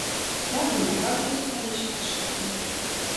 Դա ամենաբարձր ցուցանիշն է աշխարհում։